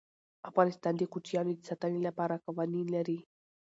افغانستان د کوچیانو د ساتنې لپاره قوانین لري.